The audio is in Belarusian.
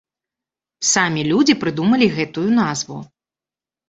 Самі людзі прыдумалі гэтую назву.